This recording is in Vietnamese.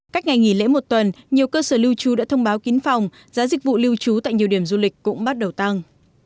cách ngày nghỉ lễ một tuần nhiều cơ sở lưu trú đã thông báo kín phòng giá dịch vụ lưu trú tại nhiều điểm du lịch cũng bắt đầu tăng